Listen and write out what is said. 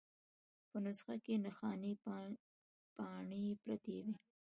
په نسخه کې نښانۍ پاڼې پرتې وې.